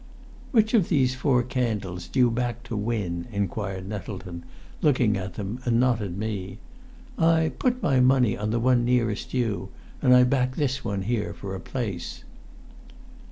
"Which of these four candles do you back to win?" inquired Nettleton, looking at them and not at me. "I put my money on the one nearest you, and I back this one here for a place."